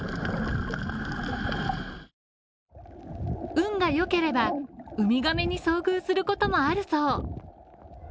運が良ければウミガメに遭遇することもあるそう。